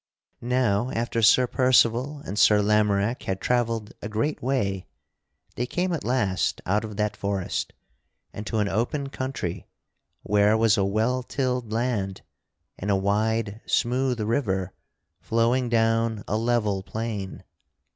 Now, after Sir Percival and Sir Lamorack had travelled a great way, they came at last out of that forest and to an open country where was a well tilled land and a wide, smooth river flowing down a level plain.